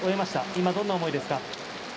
今、どんな思いですか。